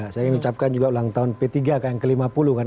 saya ingin ucapkan juga ulang tahun p tiga yang ke lima puluh kan